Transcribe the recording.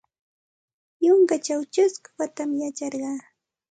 Yunkaćhaw ćhusku watam yacharqa.